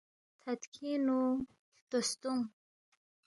تھدکھینگ نوہلتوستونگ